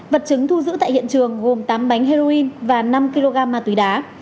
vật chứng thu giữ tại hiện trường gồm tám bánh heroin và năm kg ma túy đá